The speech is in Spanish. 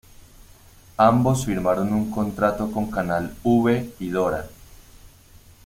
Ambos firmaron un contrato con Canal V y Dora.